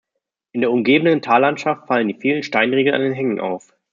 In der umgebenden Tallandschaft fallen die vielen Steinriegel an den Hängen auf.